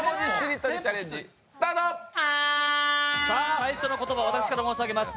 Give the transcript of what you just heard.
最初の言葉私から申し上げます。